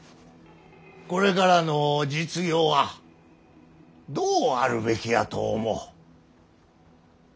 これからの実業はどうあるべきやと思う？